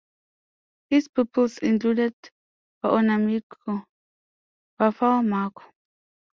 His pupils included Buonamico Buffalmacco.